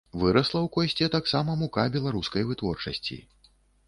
Вырасла ў кошце таксама мука беларускай вытворчасці.